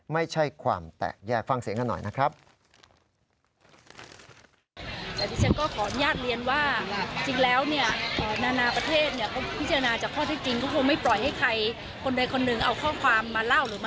ไม่ใช่ความแตกแยกฟังเสียงกันหน่อยนะครับ